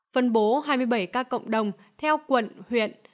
phân bố hai mươi bảy ca cộng đồng theo quận huyện